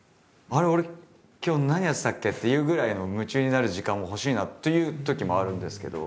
俺今日何やってたっけ？っていうぐらいの夢中になる時間も欲しいなっていうときもあるんですけど。